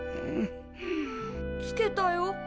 つけたよ。